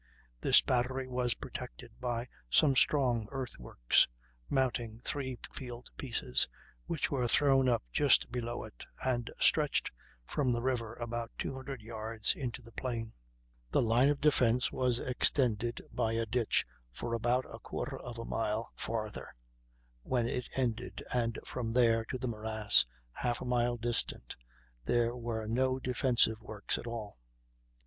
This battery was protected by some strong earthworks, mounting three field pieces, which were thrown up just below it, and stretched from the river about 200 yards into the plain. The line of defence was extended by a ditch for about a quarter of a mile farther, when it ended, and from there to the morass, half a mile distant, there were no defensive works at all.